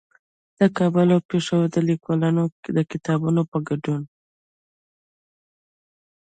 د کابل او پېښور د ليکوالانو د کتابونو په ګډون